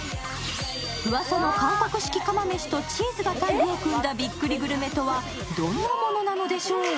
うわさの韓国式釜飯とチーズがタッグを組んだチーズグルメとはどんなものなのでしょう？